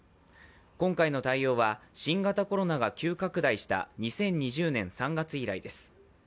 今回の対応は新型コロナが急拡大した２０２０年３月以来です。